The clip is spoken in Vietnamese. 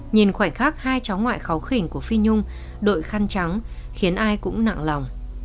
nhìn khoảnh khắc hai cháu ngoại khó khỉnh của phi nhung đội khăn trắng khiến ai cũng nặng lòng